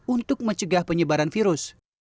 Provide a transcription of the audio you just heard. untuk mencegah penyebaran virus